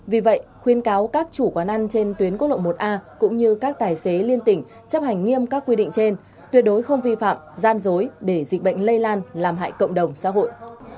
vì vậy khuyên cáo các chủ quán ăn trên tuyến quốc lộ một a cũng như các tài xế liên tỉnh chấp hành nghiêm các quy định trên tuyệt đối không vi phạm gian dối để dịch bệnh lây lan làm hại cộng đồng xã hội